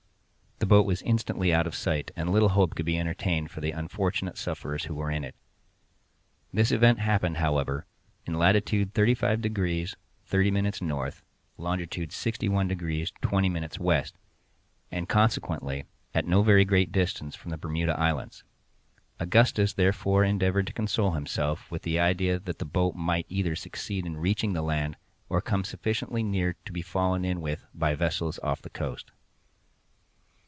The boat was instantly out of sight, and little hope could be entertained for the unfortunate sufferers who were in it. This event happened, however, in latitude 35 degrees 30' north, longitude 61 degrees 20' west, and consequently at no very great distance from the Bermuda Islands. Augustus therefore endeavored to console himself with the idea that the boat might either succeed in reaching the land, or come sufficiently near to be fallen in with by vessels off the coast.